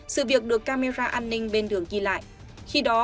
sự việc được camera an ninh bên đường ghi lại